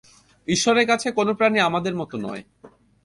ঈশ্বরের কাছে কোন প্রাণী আমাদের মতো নয়।